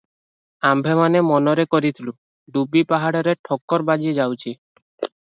ଆମ୍ଭେମାନେ ମନରେ କରିଥିଲୁ, ଡୁବି ପାହାଡରେ ଠୋକର ବାଜି ଯାଉଛି ।